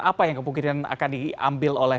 apa yang kemungkinan akan diambil oleh